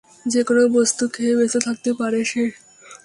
যেকোনো বস্তু খেয়ে বেঁচে থাকতে পারে সে।